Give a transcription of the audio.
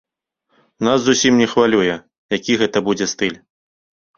Нас зусім не хвалюе, які гэта будзе стыль.